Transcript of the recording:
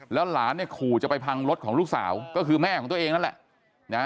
แล้วหลานเนี่ยขู่จะไปพังรถของลูกสาวก็คือแม่ของตัวเองนั่นแหละ